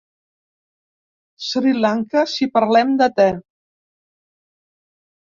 Sri Lanka, si parlem de te.